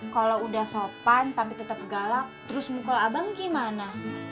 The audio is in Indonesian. kalau udah sopan tapi tetap galak terus mukul abang gimana